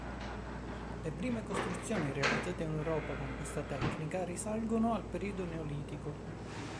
Le prime costruzioni realizzate in Europa con questa tecnica risalgono al periodo Neolitico.